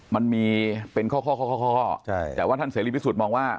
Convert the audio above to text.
มันมีเป็นข้อแต่ว่าท่านเสรีรวมที่สุดมองว่า